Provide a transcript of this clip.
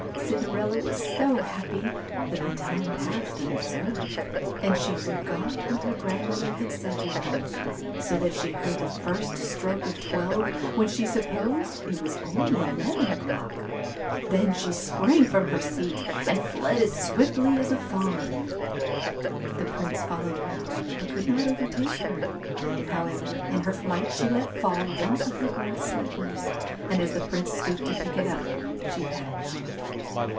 Cinderella was so happy that the time passed unobserved ; and she forgot what her godmother had said to her ; so that she heard the first stroke of twelve when she supposed it was only eleven o'clock. Then she sprang from her seat and fled as swiftly as a fawn. The prince followed her, but could not overtake her ; however, in her flight she let fall one of her glass slippers, and as the prince stooped to pick it up she vanished.